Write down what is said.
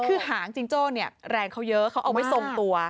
คือหางจิงโจ้เนี่ยแรงเขาเยอะเขาเอาไม่ทรงตัว